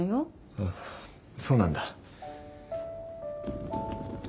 ああそうなんだ。